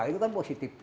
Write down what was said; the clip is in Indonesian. itu kan positif